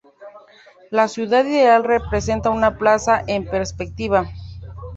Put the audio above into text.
La ciudad ideal representa una plaza en perspectiva.